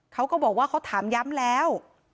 เขาก็บอกว่าเขาถามย้ำแล้ว